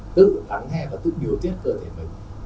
tự lắng nghe và tự điều tiết cơ thể mình